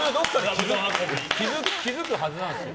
気づくはずなんですよ。